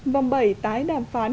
vòng bảy tái đàm phán